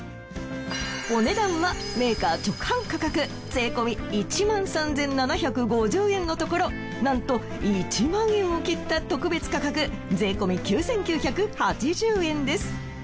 お値段はメーカー直販価格税込１３，７５０円のところなんと１万円を切った特別価格税込９，９８０円です。